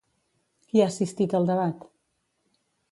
Qui ha assistit al debat?